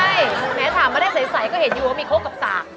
ใช่แม้ถามมาได้ใสก็เห็นอยู่ว่ามีคบกับสาก